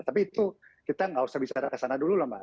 tapi itu kita nggak usah bicara kesana dulu lah mbak